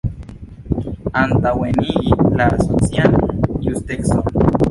Antaŭenigi la socian justecon.